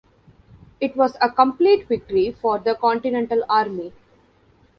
It was a complete victory for the Continental Army.